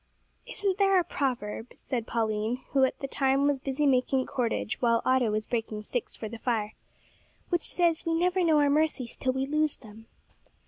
"Isn't there a proverb," said Pauline, who at the time was busy making cordage while Otto was breaking sticks for the fire, "which says that we never know our mercies till we lose them?"